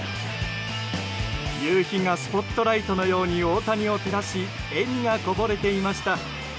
夕日がスポットライトのように大谷を照らし笑みがこぼれていました。